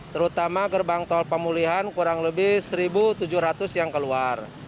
terutama gerbang tol pemulihan kurang lebih satu tujuh ratus yang keluar